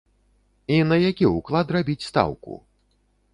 І на які ўклад рабіць стаўку?